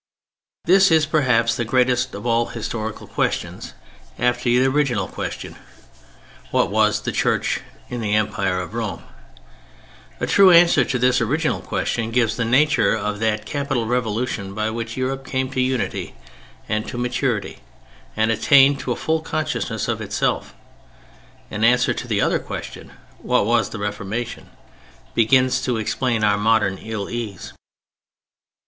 This is perhaps the greatest of all historical questions, after the original question: "What was the Church in the Empire of Rome?" A true answer to this original question gives the nature of that capital revolution by which Europe came to unity and to maturity and attained to a full consciousness of itself. An answer to the other question: "What was the Reformation?" begins to explain our modern ill ease.